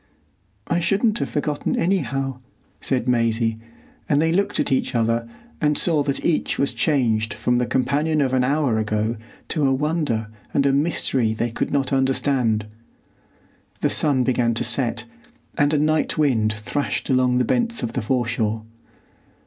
"I shouldn't have forgotten anyhow," said Maisie, and they looked at each other and saw that each was changed from the companion of an hour ago to a wonder and a mystery they could not understand. The sun began to set, and a night wind thrashed along the bents of the foreshore.